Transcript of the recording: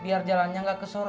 biar jalannya cepet cepet pak